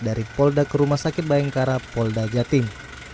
dari polda ke rumah sakit bayangkara polda jatim